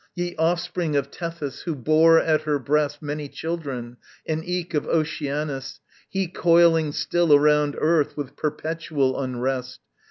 Ye offspring of Tethys who bore at her breast Many children, and eke of Oceanus, he Coiling still around earth with perpetual unrest!